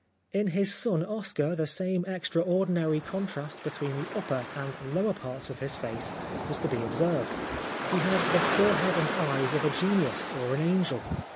In his son Oscar the same extraordinary con trast between the upper and lower parts of his face was to be observed. He had the forehead and eyes of a genius, or an angel.